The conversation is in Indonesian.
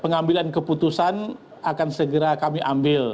pengambilan keputusan akan segera kami ambil